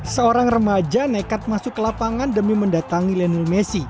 seorang remaja nekat masuk ke lapangan demi mendatangi lionel messi